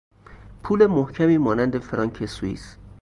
پول محکمی مانند فرانک سوئیس